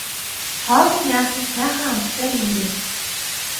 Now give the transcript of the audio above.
Хоол нь яасан сайхан амттай вэ.